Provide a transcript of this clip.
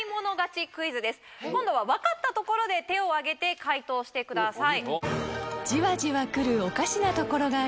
今度は分かったところで手を挙げて解答してください。